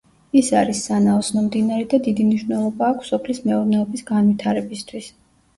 ის არის სანაოსნო მდინარე და დიდი მნიშვნელობა აქვს სოფლის მეურნეობის განვითარებისთვის.